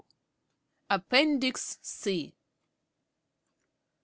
APPENDIX C.